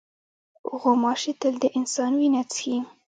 غوماشې تل د انسان وینه څښي.